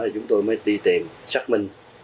chúng tôi mới đi tìm xác minh